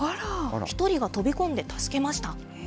１人が飛び込んで助けました。